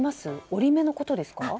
折り目のことですか？